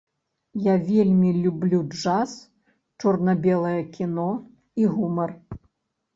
Я вельмі люблю джаз, чорна-белае кіно і гумар.